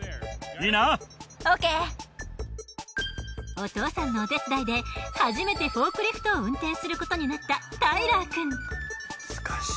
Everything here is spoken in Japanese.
お父さんのお手伝いで初めてフォークリフトを運転することになったタイラーくん。